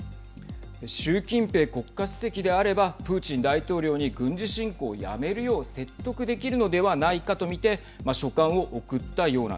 習近平国家主席であればプーチン大統領に軍事侵攻をやめるよう説得できるのではないかと見てはい。